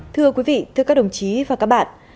thưa quý vị thưa các đồng chí và các bạn